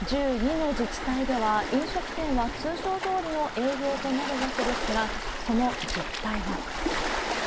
１２の自治体では、飲食店は通常どおりの営業となるわけですが、その実態は。